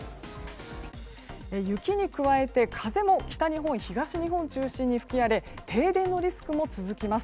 雪に加えて風も北日本、東日本を中心に吹き荒れ停電のリスクも続きます。